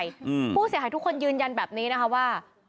อืมผู้เสียหายทุกคนยืนยันแบบนี้นะคะว่า